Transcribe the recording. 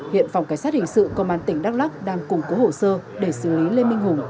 hiện phòng cảnh sát hình sự công an tỉnh đắk lắc đang củng cố hồ sơ để xử lý lê minh hùng